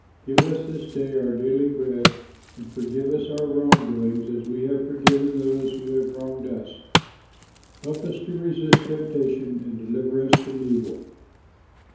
Give us this day our daily bread, and forgive us our wrong doings as we have forgiven those who have wronged us. Help us to resist temptation and deliver us from evil.'